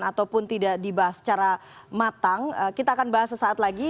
ataupun tidak dibahas secara matang kita akan bahas sesaat lagi